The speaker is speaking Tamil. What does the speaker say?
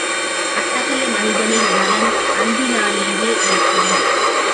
அத்தகைய மனிதனின் நலன் அன்பினாலேயே ஏற்படும்.